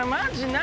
何？